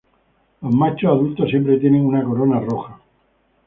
Los machos adultos siempre tienen una corona roja.